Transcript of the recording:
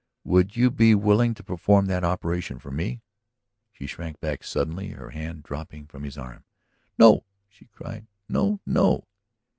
"Would you be willing to perform that operation for me?" She shrank back suddenly, her hand dropping from his arm. "No," she cried. "No, no."